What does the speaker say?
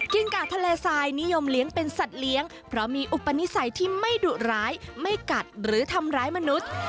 กาดทะเลทรายนิยมเลี้ยงเป็นสัตว์เลี้ยงเพราะมีอุปนิสัยที่ไม่ดุร้ายไม่กัดหรือทำร้ายมนุษย์